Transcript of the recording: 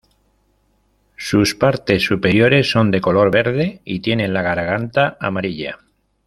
Sus partes superiores son de color verde, y tienen la garganta amarilla.